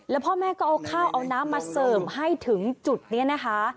แล้วพ่อแม่ก็เอาข้าวเอาน้ำมาเสริมให้ถึงจุดนี้นะคะ